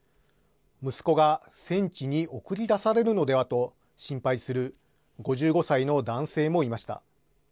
息子が戦地に送り出されるのではと心配する５５歳の男性もいました。